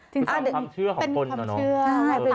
เป็นความเชื่อของคนเหรอ